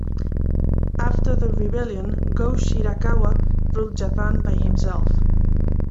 After the rebellion, Go-Shirakawa ruled Japan by himself.